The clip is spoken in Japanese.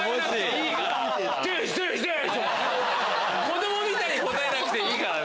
子供みたいに答えなくていいから。